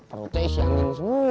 perutnya ish angin semua